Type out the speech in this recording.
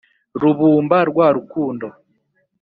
rubumba rwa rukundo,